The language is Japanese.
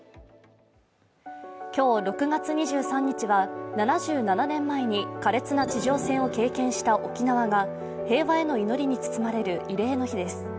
今日６月２３日は７７年前に苛烈な地上戦を経験した沖縄が平和への祈りに包まれる慰霊の日です。